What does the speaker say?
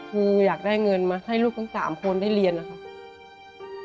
คืออยากได้เงินมาให้ลูกทั้ง๓คนได้เรียนนะครับ